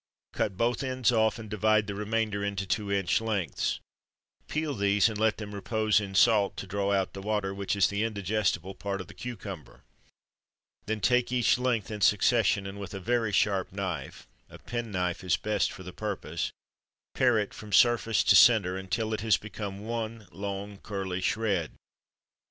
Cut both ends off, and divide the remainder into two inch lengths. Peel these, and let them repose in salt to draw out the water, which is the indigestible part of the cucumber. Then take each length, in succession, and with a very sharp knife a penknife is best for the purpose pare it from surface to centre, until it has become one long, curly shred.